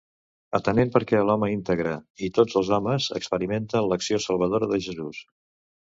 Atenent perquè l'home íntegre, i tots els homes, experimenten l'acció salvadora de Jesús.